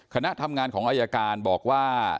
คณะทำงานของอายการบอกว่า